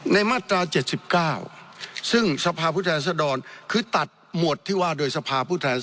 ในมาตราเจ็ดสิบเก้าซึ่งสภาพูดธรรมคือตัดหมวดที่ว่าโดยสภาพูดไล้